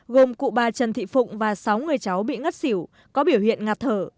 gồm cụ bà trần thị phụng và sáu người cháu bị ngất xỉu có biểu hiện ngặt thở